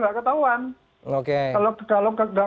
tidak ketahuan kalau tidak